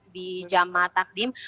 di jamaah takdim